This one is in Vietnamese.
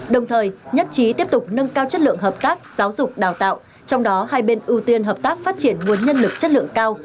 đồng thời nhất trí tiếp tục nâng cao chất lượng hợp tác giáo dục đào tạo trong đó hai bên ưu tiên hợp tác phát triển nguồn nhân lực chất lượng cao